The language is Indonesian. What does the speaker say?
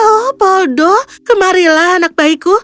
oh poldo kemarilah anak bayiku